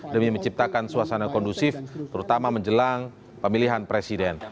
demi menciptakan suasana kondusif terutama menjelang pemilihan presiden